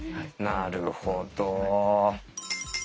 なるほど。